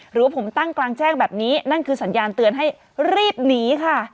หรือผมตั้งกลางแจ้งแบบนี้นั่นคือสัญญาณเตือนให้รีบหนีค่ะ